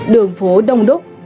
đường phố đông đúc